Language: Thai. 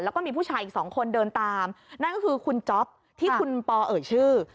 แล้วก็มีผู้ชายอีกสองคนเดินตามนั่นก็คือคุณจ๊อปที่คุณปอเอ่ยชื่อ